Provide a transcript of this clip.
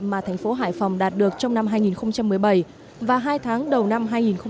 mà thành phố hải phòng đạt được trong năm hai nghìn một mươi bảy và hai tháng đầu năm hai nghìn một mươi tám